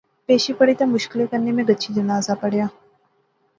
پیشی پڑھی تے مشکلیں کنے میں گچھی جنازہ پڑھیا